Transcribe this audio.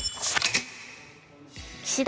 岸田